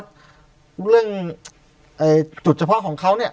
เรื่องจุดเฉพาะของเขาเนี่ย